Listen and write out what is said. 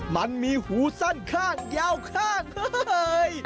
มันมีหูสั้นข้างยาวข้างเลย